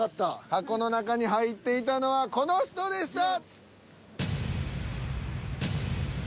箱の中に入っていたのはこの人でした。